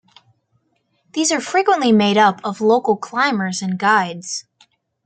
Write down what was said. These are frequently made up of local climbers and guides.